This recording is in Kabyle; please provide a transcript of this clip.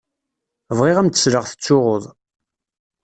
Bɣiɣ ad m-d-sleɣ tettsuɣuḍ.